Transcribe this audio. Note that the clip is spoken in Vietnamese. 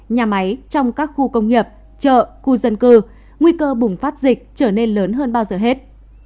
nhà máy trong các khu công nghiệp chợ khu dân cư nguy cơ bùng phát dịch trở nên lớn hơn bao giờ hết